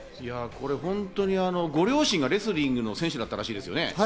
本当にご両親がレスリングの選手だったらしいですよね。